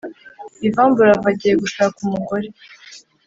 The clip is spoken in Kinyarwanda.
Yvan buravan agiye gushak umugore